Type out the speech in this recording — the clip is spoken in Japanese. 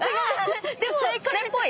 でもそれっぽい！